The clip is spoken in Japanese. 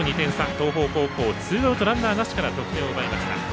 東邦高校、ツーアウトランナーなしから得点を奪いました。